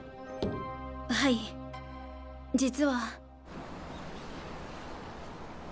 はい実は。